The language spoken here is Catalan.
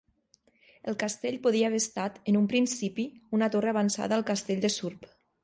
El castell podia haver estat, en un principi, una torre avançada del castell de Surp.